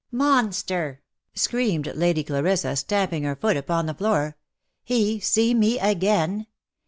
" Monster !" screamed Lady Clarissa stamping her foot upon the floor, " he, see me again